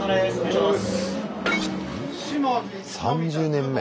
３０年目。